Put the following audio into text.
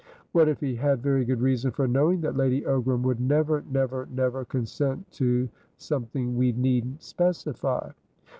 "What if he had very good reason for knowing that lady Ogram would never, never, never consent tosomething we needn't specify?"